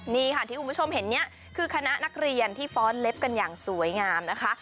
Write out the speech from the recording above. นี่ค่ะที่คุณผู้ชมเห็นเนี่ยคือคณะนักเรียนที่ฟ้อนเล็บกันอย่างสวยงามนะคะ